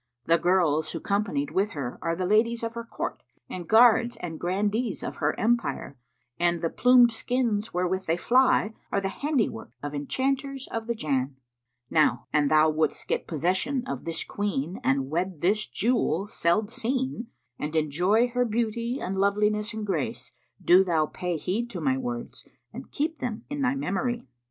The girls who companied with her are the ladies of her court and guards and grandees of her empire, and the plumed skins wherewith they fly are the handiwork of enchanters of the Jann. Now an thou wouldst get possession of this queen and wed this jewel seld seen and enjoy her beauty and loveliness and grace, do thou pay heed to my words and keep them in thy memory.